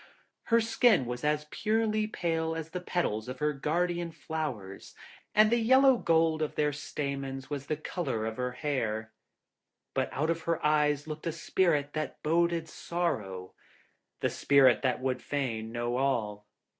Her skin was as purely pale as the petals of her guardian flowers, and the yellow gold of their stamens was the colour of her hair. But out of her eyes looked a spirit that boded sorrow the spirit that would fain know all.